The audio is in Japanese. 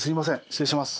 失礼します。